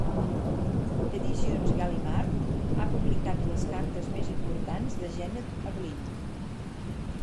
Editions Gallimard ha publicat les cartes més importants de Genet a Blin.